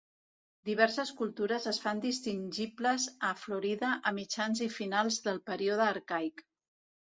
Diverses cultures es fan distingibles a Florida a mitjans i finals del període arcaic.